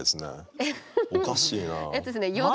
えっとですね依田。